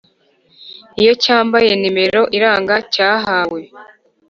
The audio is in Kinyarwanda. iyo cyambaye nimero iranga cyahawe.